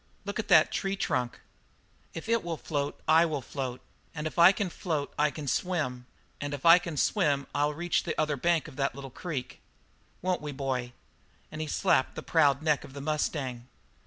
"Look at that tree trunk. If that will float I will float, and if I can float I can swim, and if I can swim I'll reach the other bank of that little creek. Won't we, boy?" And he slapped the proud neck of the mustang.